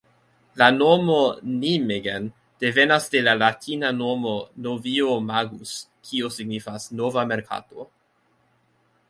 La nomo Nijmegen devenas de la latina nomo "Novio-magus", kio signifas 'nova merkato'.